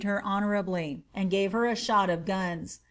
her honourably, and gave her a shot of gruns.